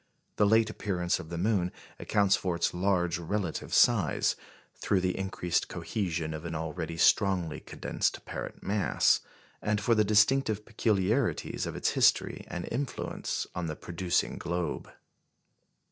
The late appearance of the moon accounts for its large relative size through the increased cohesion of an already strongly condensed parent mass and for the distinctive peculiarities of its history and influence on the producing globe.